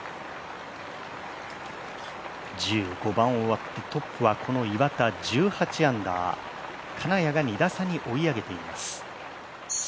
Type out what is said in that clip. １５番が終わってトップはこの岩田１８アンダー、金谷が２打差に追い上げています。